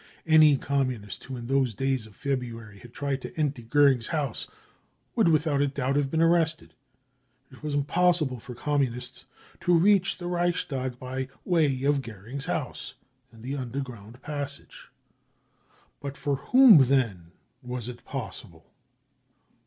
Any Communist who in those days of February had tried to enter Goering's house would without doubt have been arrested. It was impossible for 135 the real incendiaries Communists to reach 'the Reichstag by way of Goering's house and the underground passage. But for whom then was it possible